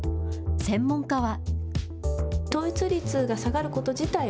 専門家は。